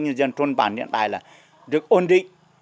nhân dân trôn bàn hiện tại là được ổn định